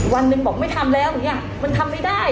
วันหนึ่งบอกไม่ทำแล้วอย่างนี้มันทำไม่ได้